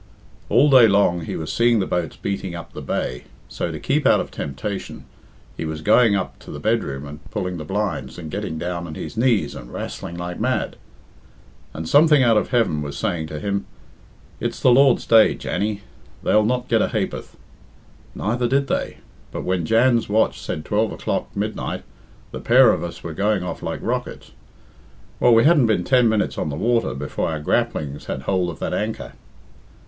"All day long he was seeing the boats beating up the bay, so, to keep out of temptation, he was going up to the bedroom and pulling the blind and getting down on his knees and wrastling like mad. And something out of heaven was saying to him, 'It's the Lord's day, Jannie; they'll not get a ha'p'orth.' Neither did they; but when Jan's watch said twelve o'clock midnight the pair of us were going off like rockets. Well, we hadn't been ten minutes on the water before our grapplings had hould of that anchor."